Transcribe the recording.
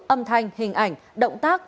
âm thanh hình ảnh động tác